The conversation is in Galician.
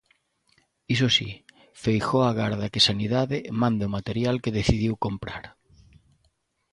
Iso si, Feijóo agarda que Sanidade mande o material que decidiu comprar.